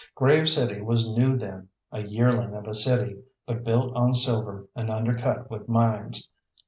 Grave City was new then; a yearling of a city, but built on silver, and undercut with mines.